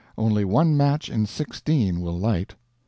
Only one match in 16 will light.